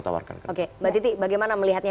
tawarkan oke mbak titi bagaimana melihatnya